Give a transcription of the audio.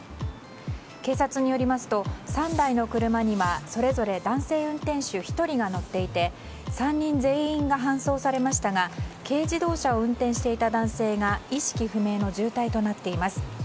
警察によりますと、３台の車にはそれぞれ男性運転手１人が乗っていて３人全員が搬送されましたが軽自動車を運転していた男性が意識不明の重体となっています。